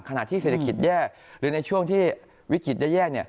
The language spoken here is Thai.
ขณะที่เศรษฐกิจแย่หรือในช่วงที่วิกฤตแย่